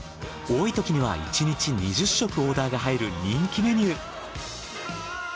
多いときには１日２０食オーダーが入る人気メニュー。